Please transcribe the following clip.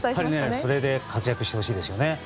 それで活躍してほしいですね。